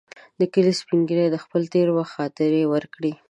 د کلي سپین ږیري د خپل تېر وخت خاطرې وکړې.